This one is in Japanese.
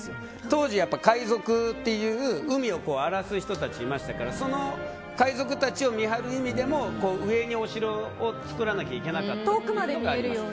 当時、海賊という海を荒らす人たちがいましたからその海賊たちを見張る意味でも上にお城を造らなきゃいけなかったというのがあります。